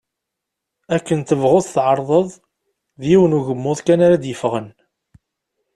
Akken tebɣuḍ tεerḍeḍ, d yiwen ugmuḍ kan ara d-yeffɣen.